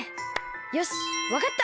よしわかった。